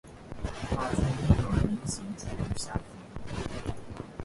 巴军因而明显处于下风。